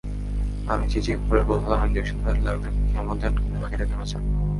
আমি চিঁচিঁ করে বললাম, ইনজেকশন দেন, লাগলে কেমো দেন, কিন্তু পাখিটাকে বাঁচান।